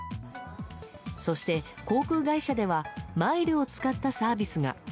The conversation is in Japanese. そして、航空会社ではマイルを使ったサービスが。